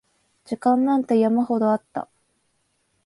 時間なんて山ほどあった